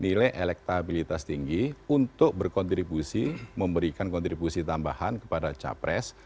nilai elektabilitas tinggi untuk berkontribusi memberikan kontribusi tambahan kepada capres